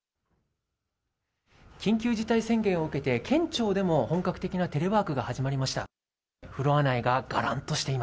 緊急事態宣言を受けて、県庁でも本格的なテレワークが始まりました。